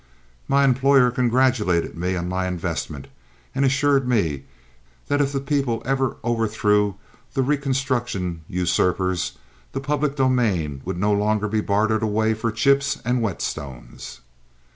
My employer congratulated me on my investment, and assured me that if the people ever overthrew the Reconstruction usurpers the public domain would no longer be bartered away for chips and whetstones.